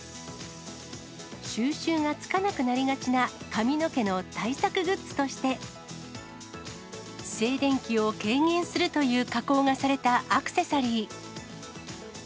収拾がつかなくなりがちな髪の毛の対策グッズとして、静電気を軽減するという加工がされたアクセサリー。